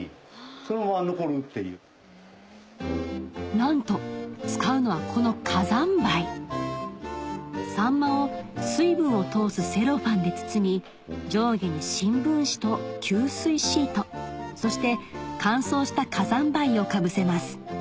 なんと使うのはこの火山灰さんまを水分を通すセロハンで包み上下に新聞紙と吸水シートそして乾燥した火山灰をかぶせます